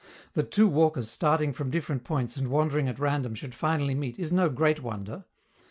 That two walkers starting from different points and wandering at random should finally meet, is no great wonder.